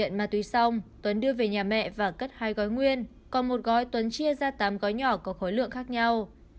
nghiện ma túy xong tuấn đưa về nhà mẹ và cất hai gói nguyên còn một gói tuấn chia ra tám gói nhỏ có khối lượng khác nhau